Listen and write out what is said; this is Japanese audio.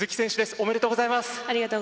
おめでとうございます。